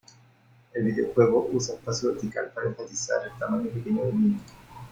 El videojuego usa espacio vertical para enfatizar el tamaño pequeño del niño.